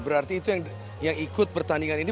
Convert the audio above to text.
berarti itu yang ikut pertandingan ini